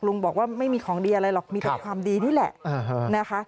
บอกว่าไม่มีของดีอะไรหรอกมีแต่ความดีนี่แหละนะคะ